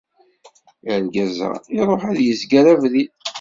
Argaz-a, iruḥ ad yezger abrid.